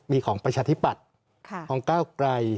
มีของประชาธิปัตย์ของก้าวไกร